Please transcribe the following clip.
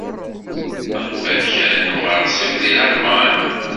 Tṛebbaḍ kra n uɣersiw deg Lalman?